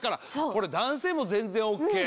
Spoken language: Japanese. これ男性も全然ＯＫ。